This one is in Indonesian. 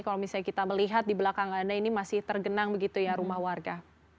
kalau misalnya kita melihat di belakang anda ini masih tergenang begitu ya rumah warga